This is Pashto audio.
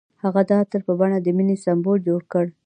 هغه د عطر په بڼه د مینې سمبول جوړ کړ.